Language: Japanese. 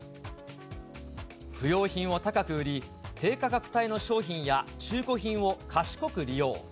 不用品を高く売り、低価格帯の商品や、中古品を賢く利用。